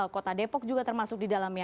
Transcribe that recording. kota depok juga termasuk di dalamnya